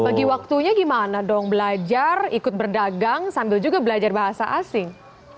bagi waktunya gimana dong belajar ikut berdagang sambil juga belajar bahasa asing